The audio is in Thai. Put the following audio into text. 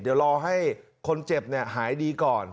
เดี๋ยวรอให้คนเจ็บหายดีก่อน